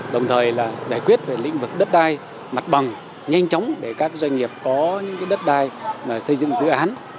đồng thời là giải quyết về lĩnh vực đất đai mặt bằng nhanh chóng để các doanh nghiệp có những đất đai xây dựng dự án